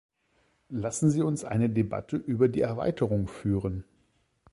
Lassen Sie uns eine Debatte über die Erweiterung führen.